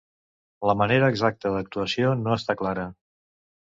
La manera exacta d'actuació no està clara.